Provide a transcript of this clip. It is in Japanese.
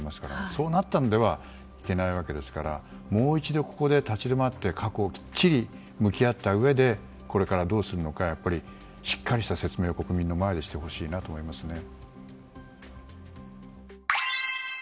そうなってはいけないわけですからもう一度、立ち止まって過去ときっちり向き合ったうえでこれからどうするのかしっかりした説明を国民の前でしてもらいたいと思いますね。